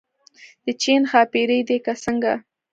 د چین ښاپېرۍ دي که څنګه.